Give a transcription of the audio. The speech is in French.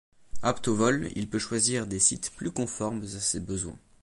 Apte au vol, il peut choisir des sites plus conformes à ses besoins.